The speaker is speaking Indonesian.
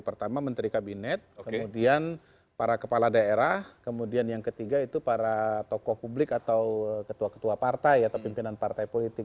pertama menteri kabinet kemudian para kepala daerah kemudian yang ketiga itu para tokoh publik atau ketua ketua partai atau pimpinan partai politik